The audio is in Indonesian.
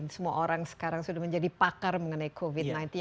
semua orang sekarang sudah menjadi pakar mengenai covid sembilan belas